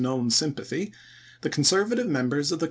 known sympathy, the Conservative members of the 1863.